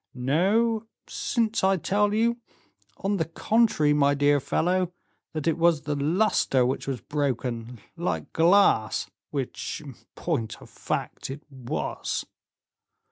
"No, since I tell you, on the contrary, my dear fellow, that it was the luster which was broken, like glass, which, in point of fact, it was."